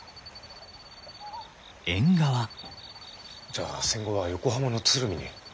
じゃあ戦後は横浜の鶴見に？